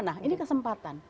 nah ini kesempatan